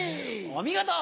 お見事。